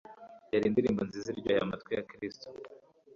yari indirimbo nziza iryohcye amatwi ya Kristo